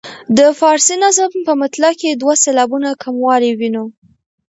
د فارسي نظم په مطلع کې دوه سېلابونه کموالی وینو.